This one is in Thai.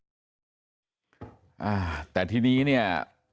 อ่าแต่ทีนี้เนี่ย